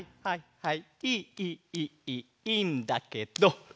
はい！